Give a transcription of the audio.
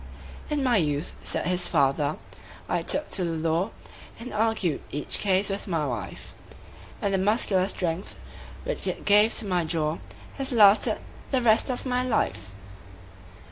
"In my youth," said his fater, "I took to the law, And argued each case with my wife; And the muscular strength, which it gave to my jaw, Has lasted the rest of my life."